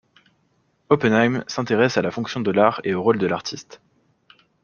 Oppenheim s'intéresse à la fonction de l'art et au rôle de l'artiste.